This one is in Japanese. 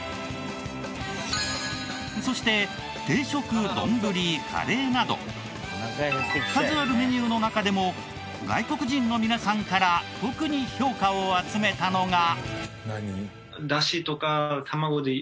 そして定食丼カレーなど数あるメニューの中でも外国人の皆さんから特に評価を集めたのが。